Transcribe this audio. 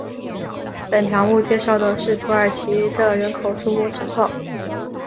本条目介绍的是土耳其的人口数目情况。